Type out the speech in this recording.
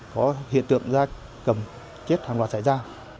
có hiện tượng rác cầm chết hàng loạt xảy ra